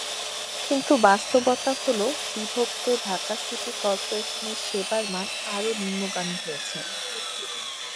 কিন্তু বাস্তবতা হলো, বিভক্ত ঢাকা সিটি করপোরেশনের সেবার মান আরও নিম্নগামী হয়েছে।